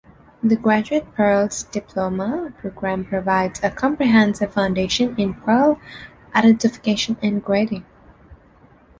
The Graduate Pearls diploma program provides a comprehensive foundation in pearl identification and grading.